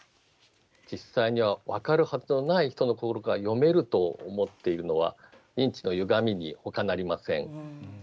実際には分かるはずのない人の心が読めると思っているのは認知のゆがみに他なりません。